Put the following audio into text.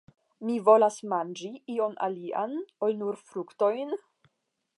Mi volas manĝi ion alian ol nur fruktojn?